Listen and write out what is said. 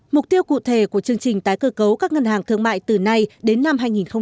mục tiêu cụ thể của chương trình tái cơ cấu các ngân hàng thương mại từ nay đến năm hai nghìn ba mươi